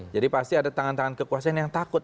jadi pasti ada tangan tangan kekuasaan yang takut